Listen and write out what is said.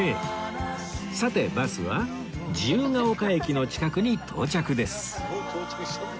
さてバスは自由が丘駅の近くに到着です